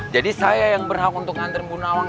jadi saya yang berhak untuk ngantri bu nawang